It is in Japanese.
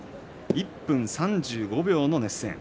１分３５秒の熱戦。